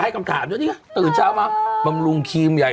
ให้คำถามว่านี่เดี๋ยวตื่นเช้ามาบำรุงครีมใหญ่